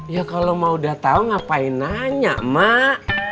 ya kalau mau udah tahu ngapain nanya mak